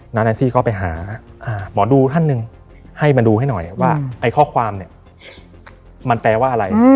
แอนซี่ก็ไปหาหมอดูท่านหนึ่งให้มาดูให้หน่อยว่าไอ้ข้อความเนี่ยมันแปลว่าอะไร